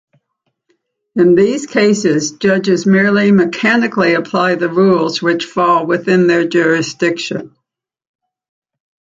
In these cases, judges merely mechanically apply the rules which fall within their jurisdiction.